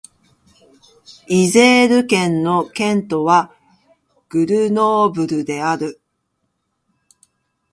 イゼール県の県都はグルノーブルである